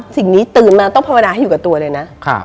สิ่งนี้ตื่นมาต้องภาวนาให้อยู่กับตัวเลยนะ